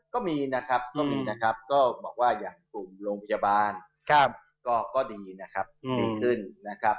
ก็มีนะครับก็มีนะครับก็บอกว่าอย่างกลุ่มโรงพยาบาลก็ดีนะครับดีขึ้นนะครับ